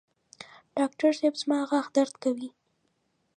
ډاکټر صېب زما غاښ درد کوي